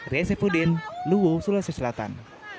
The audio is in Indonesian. ria sifudin luwu sulawesi selatan